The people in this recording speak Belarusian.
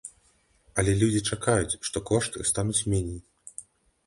Але людзі чакаюць, што кошты стануць меней.